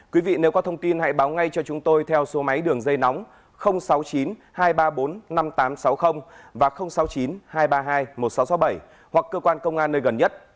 quý vị nếu có thông tin hãy báo ngay cho chúng tôi theo số máy đường dây nóng sáu mươi chín hai trăm ba mươi bốn năm nghìn tám trăm sáu mươi và sáu mươi chín hai trăm ba mươi hai một nghìn sáu trăm sáu mươi bảy hoặc cơ quan công an nơi gần nhất